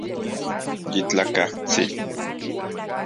Yitlajkatsin